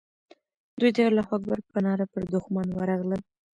دوی د الله اکبر په ناره پر دښمن ورغلل.